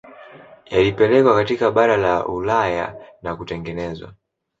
Yilipelekwa katika bara la Ulaya na kutengenezwa